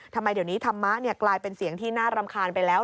ทำไมเดี๋ยวนี้ธรรมะกลายเป็นเสียงที่น่ารำคาญไปแล้ว